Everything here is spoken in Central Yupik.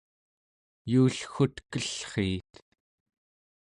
yuulgutkellriit